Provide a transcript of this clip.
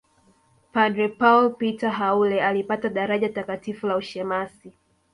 Padre Paul Peter Haule alipata daraja Takatifu la ushemasi